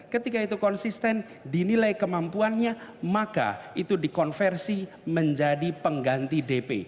ketika itu konsisten dinilai kemampuannya maka itu dikonversi menjadi pengganti dp